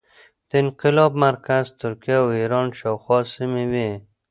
د انقلاب مرکز ترکیه او ایران شاوخوا سیمې وې.